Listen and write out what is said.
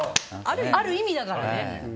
ある意味だからね。